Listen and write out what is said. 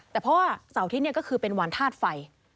แต่เพราะว่าเสาร์อาทิตย์ก็คือเป็นวันธาตุไฟ